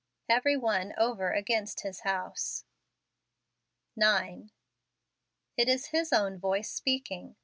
" Every one over against his house." 9. It is His own voice speaking.